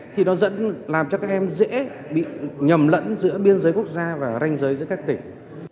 thì nó dẫn làm cho các em dễ bị nhầm lẫn giữa biên giới quốc gia và ranh giới giữa các tỉnh